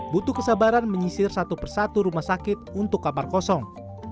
butuh kesabaran menyisir satu persatu rumah sakit untuk kamar kosong